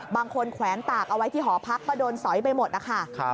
แขวนตากเอาไว้ที่หอพักก็โดนสอยไปหมดนะคะ